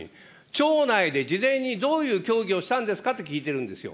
庁内で事前にどういう協議をしたんですかって聞いてるんですよ。